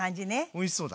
おいしそうだ。